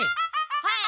はい！